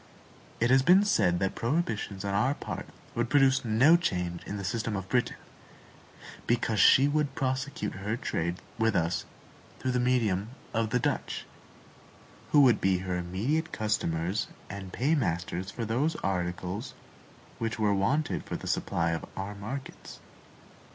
It has been said that prohibitions on our part would produce no change in the system of Britain, because she could prosecute her trade with us through the medium of the Dutch, who would be her immediate customers and paymasters for those articles which were wanted for the supply of our markets.